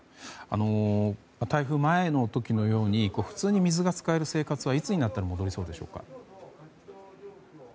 台風前の時のように普通に水が使える生活はいつになったら戻りそうでしょうか？